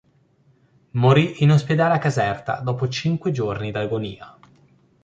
Morì in ospedale a Caserta, dopo cinque giorni di agonia.